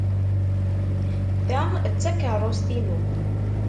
Ta d takeṛṛust-inu.